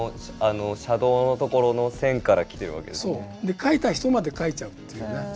描いた人まで描いちゃうというね。